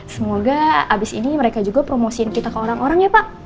semoga abis ini mereka juga promosiin kita ke orang orang ya pak